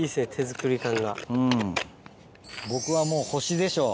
うん僕はもう星でしょ。